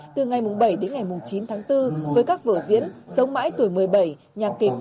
từ ngày bảy đến ngày chín tháng bốn với các vở diễn sống mãi tuổi một mươi bảy nhạc kịch